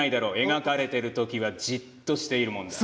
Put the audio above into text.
描かれているときはじっとしているものだ。